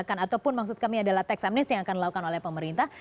ataupun maksud kami adalah tax amnesty yang akan dilakukan oleh pemerintah